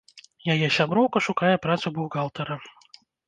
Яе сяброўка шукае працу бухгалтара.